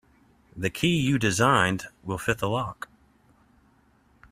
The key you designed will fit the lock.